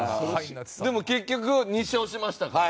でも結局２勝しましたから。